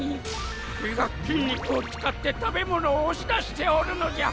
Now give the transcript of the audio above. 胃が筋肉を使って食べ物を押し出しておるのじゃ。